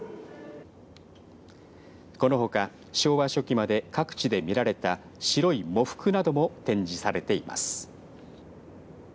このほか昭和初期まで各地で見られた白い喪服なども展示されています。